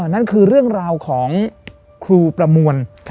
นั่นคือเรื่องราวของครูประมวล